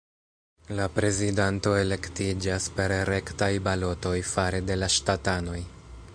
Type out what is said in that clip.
La prezidanto elektiĝas per rektaj balotoj fare de la ŝtatanoj.